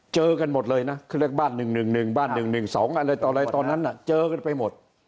เจอกันหมดเลยนะเขาเรียกบ้าน๑๑๑บ้าน๑๑๒อะไรต่ออะไรตอนนั้นเจอกันไปหมด